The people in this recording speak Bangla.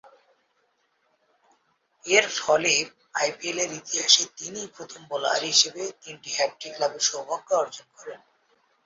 এরফলে আইপিএলের ইতিহাসে তিনিই প্রথম বোলার হিসেবে তিনটি হ্যাট্রিক লাভের সৌভাগ্য অর্জন করেন।